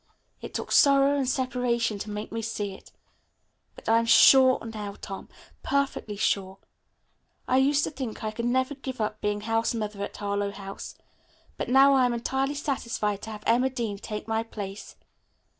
It took sorrow and separation to make me see it. But I'm sure now, Tom, perfectly sure. I used to think I could never give up being house mother at Harlowe House, but now I am entirely satisfied to have Emma Dean take my place.